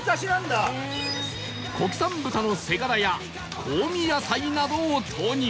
国産豚の背ガラや香味野菜などを投入